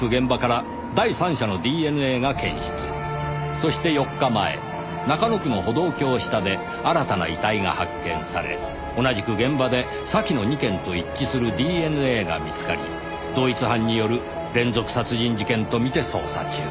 そして４日前中野区の歩道橋下で新たな遺体が発見され同じく現場で先の２件と一致するＤＮＡが見つかり同一犯による連続殺人事件と見て捜査中。